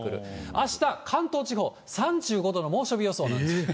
あした、関東地方、３５度の猛暑日予想なんです。